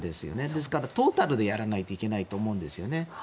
ですから、トータルでやらないといけないと思うんです。